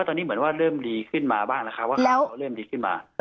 ตอนนี้เหมือนว่าเริ่มดีขึ้นมาบ้างนะครับ